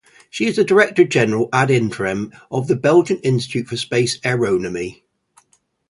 She is director general ad interim of the Belgian Institute for Space Aeronomy.